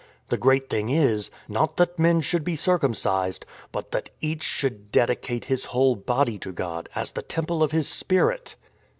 The great thing is — not that men should be circumcised, but that each should dedicate his whole body to God, as the Temple of His Spirit."